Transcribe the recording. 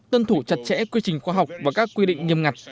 tuân thủ chặt chẽ quy trình khoa học và các quy định nghiêm ngặt